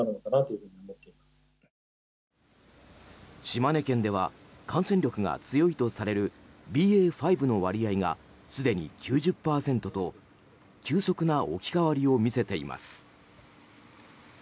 島根県では感染力が強いとされるＢＡ．５の割合がすでに９０％と急速な置き換わりを見せています。